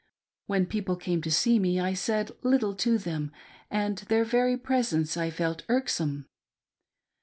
When people came to see me, I said little to them and their very presence I felt irksome.